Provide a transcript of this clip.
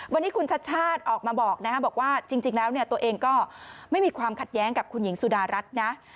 วันนี้คุณชัดชาติออกมาบอกนะครับบอกว่าจริงแล้วตัวเองก็ไม่มีความขัดแย้งกับคุณหญิงสุดารัฐนะ